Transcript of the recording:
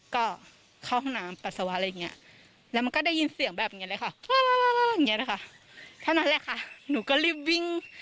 ก็เข้าห้องน้ำปัดสวะอะไรอย่างนี้